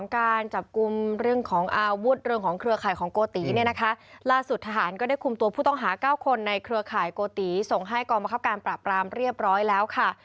การจับกลุ่มเรื่องของอาวุธเรื่องของเครือข่ายของโกติเนี่ยนะคะล่าสุดทหารก็ได้คุมตัวผู้ต้องหาเก้าคนในเครือข่ายโกติส่งให้กองบังคับการปราบรามเรียบร้อยแล้วค่ะ